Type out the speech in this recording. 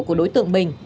của đối tượng bình